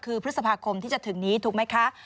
คือพฤษภาคมที่จะถึงนี้ถูกไหมคะ